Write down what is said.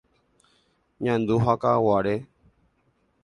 Ñandu ha Kaguare.